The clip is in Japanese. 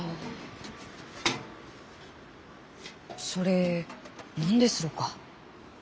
それ何ですろうか？